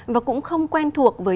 và cũng không quen thuộc với